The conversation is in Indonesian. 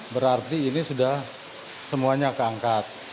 berarti ini sudah semuanya keangkat